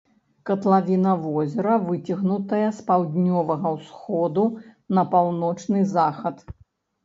Катлавіна возера выцягнутая з паўднёвага ўсходу на паўночны захад.